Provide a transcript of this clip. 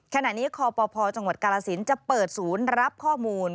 ขณะนี้คปพจังหวัดกาลสินจะเปิดศูนย์รับข้อมูล